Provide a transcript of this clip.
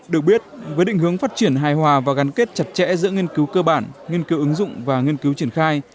được biết với định hướng phát triển hài hòa và gắn kết chặt chẽ giữa nghiên cứu cơ bản nghiên cứu ứng dụng và nghiên cứu triển khai